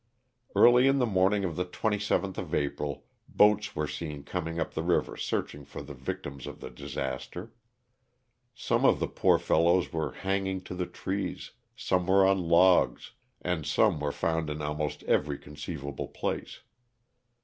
Early in the morning of the 27th of April boats were seen coming up the river searching for the victims of the disaster. Some of the poor fellows were hang ing to the trees, some were on logs, and some were found in almost every conceivable place.